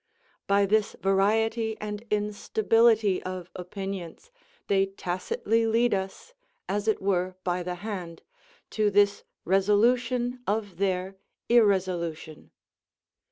By this variety and instability of opinions, they tacitly lead us, as it were by the hand, to this resolution of their irresolution.